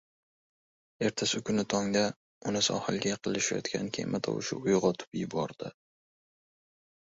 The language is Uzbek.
Ertasi kuni tongda uni sohilga yaqinlashayotgan kema tovushi uygʻotib yubordi.